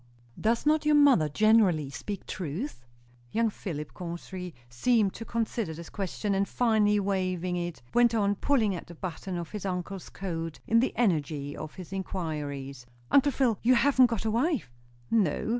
"Does not your mother generally speak truth?" Young Philip Chauncey seemed to consider this question; and finally waiving it, went on pulling at a button of his uncle's coat in the energy of his inquiries. "Uncle Phil, you haven't got a wife?" "No."